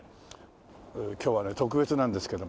今日はね特別なんですけどもね